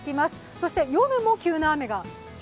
そして夜も急な雨がありそう。